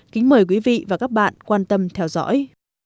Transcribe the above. kính mời quý vị và các bạn quan tâm theo dõi